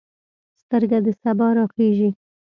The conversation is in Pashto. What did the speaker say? سترګه د سبا راخیژې